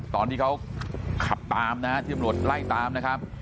ตอนที่เขาขับตามนะฮะที่ตำรวจไล่ตามนะครับ